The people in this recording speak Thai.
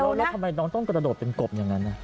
แล้วทำไมน้องต้องกระโดดเป็นกบอย่างนั้น